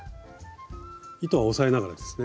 糸は押さえながらですね？